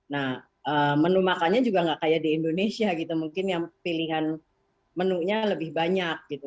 nah menu makannya juga nggak kayak di indonesia gitu mungkin yang pilihan menunya lebih banyak gitu